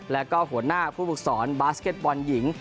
แล้วก็หัวหน้าผู้ฝึกสอนบาสเก็ตบอลหญิง